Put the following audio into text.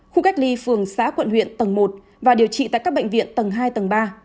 khu cách ly phường xã quận huyện tầng một và điều trị tại các bệnh viện tầng hai tầng ba